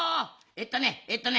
えっとねえっとね